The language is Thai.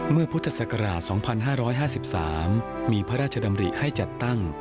พุทธศักราช๒๕๕๓มีพระราชดำริให้จัดตั้ง